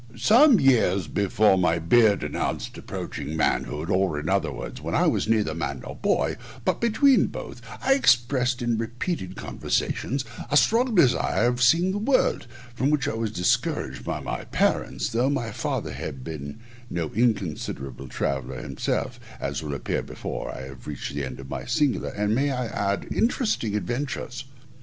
_ Some years before my beard announced approaching manhood, or, in other words, when I was neither man nor boy, but between both, I expressed in repeated conversations a strong desire of seeing the world, from which I was discouraged by my parents, though my father had been no inconsiderable traveller himself, as will appear before I have reached the end of my singular, and, I may add, interesting adventures.